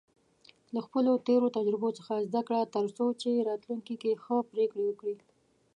له خپلو تېرو تجربو څخه زده کړه، ترڅو په راتلونکي کې ښه پریکړې وکړې.